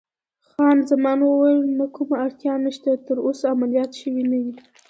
خان زمان وویل: نه، کومه اړتیا نشته، ته تراوسه عملیات شوی نه یې.